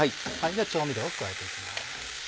調味料を加えて行きます。